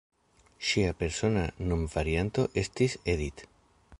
Ŝia persona nomvarianto estis "Edith".